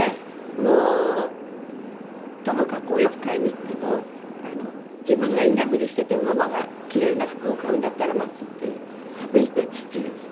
もうともかくお洋服買いに行っても自分が居眠りしててもママがキレイな服を買うんだったら待つっていうそういう父でした。